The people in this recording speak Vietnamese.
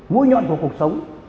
mũi nhọn của cuộc sống